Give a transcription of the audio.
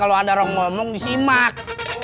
banyak kalo ada orang ngomong disimak